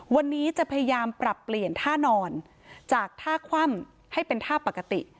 วันนี้จะพยายามปรับเปลี่ยนท่านอนจากท่าคว่ำให้เป็นท่าปกติ